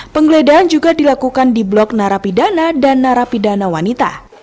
penggeledahan juga dilakukan di blok narapidana dan narapidana wanita